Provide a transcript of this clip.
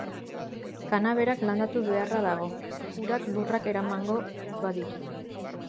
Kanaberak landatu beharra dago, urak lurrak eramango ez baditu.